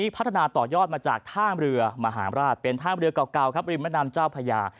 พัฒนาต่อยอดมาจากท่ามเรือมหาราชเป็นท่ามเรือเก่าครับริมแม่น้ำเจ้าพญา